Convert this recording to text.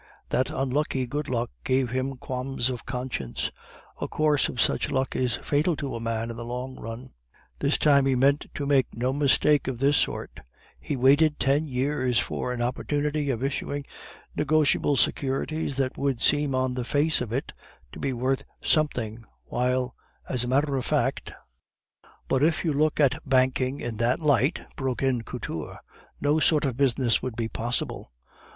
That unlucky good luck gave him qualms of conscience. A course of such luck is fatal to a man in the long run. This time he meant to make no mistake of this sort; he waited ten years for an opportunity of issuing negotiable securities which should seem on the face of it to be worth something, while as a matter of fact " "But if you look at banking in that light," broke in Couture, "no sort of business would be possible.